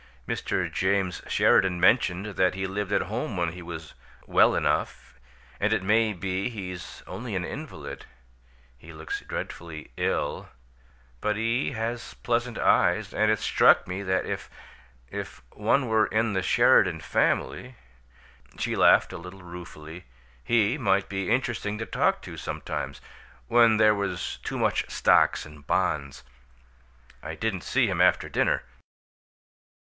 Mr. James Sheridan mentioned that he lived at home when he was 'well enough'; and it may be he's only an invalid. He looks dreadfully ill, but he has pleasant eyes, and it struck me that if if one were in the Sheridan family" she laughed a little ruefully "he might be interesting to talk to sometimes, when there was too much stocks and bonds. I didn't see him after dinner."